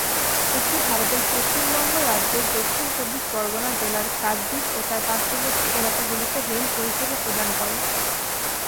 এটি ভারতের পশ্চিমবঙ্গ রাজ্যের দক্ষিণ চব্বিশ পরগনা জেলার কাকদ্বীপ ও তার পার্শ্ববর্তী এলাকাগুলিতে রেল পরিষেবা প্রদান করে।